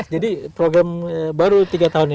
jadi baru tiga tahun ini